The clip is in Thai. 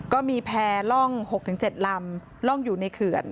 ก็มีแพร่ร่อง๖๗ลำร่องอยู่ในเขื่อน